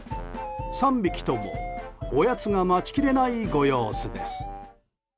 ３匹ともおやつが待ちきれないご様子です。